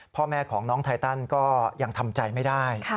พ่อแม่ของน้องไทตันก็ยังทำใจไม่ได้